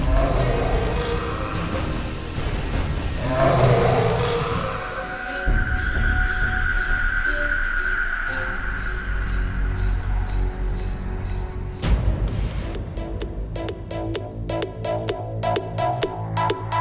ไขว้ขาไขว้ขาไขว้ขาโชว์นี่